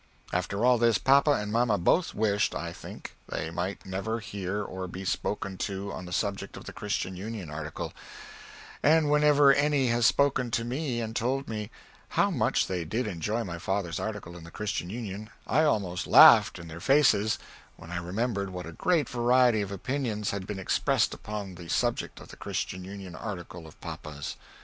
After all this, papa and mamma both wished I think they might never hear or be spoken to on the subject of the Christian Union article, and whenever any has spoken to me and told me "How much they did enjoy my father's article in the Christian Union" I almost laughed in their faces when I remembered what a great variety of oppinions had been expressed upon the subject of the Christian Union article of papa's.